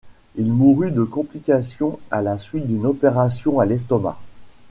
Il mourut de complications à la suite d'une opération à l'estomac.